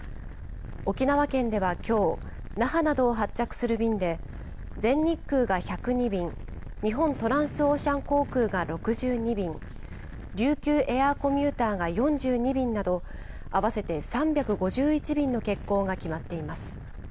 沖縄県ではきょう、那覇などを発着する便で、全日空が１０２便、日本トランスオーシャン航空が６２便、琉球エアーコミューターが４２便など、合わせて３５１便の欠航が決まっています。